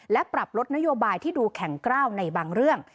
และปรับลดนโยบายที่ดูแข็งกล้าวในบางเรื่อง